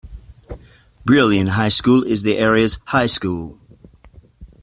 Brillion High School is the area's high school.